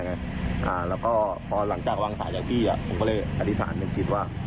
แล้วก็พอหลังจากวางสายจากพี่ผมก็เลยอธิษฐานในจิตว่า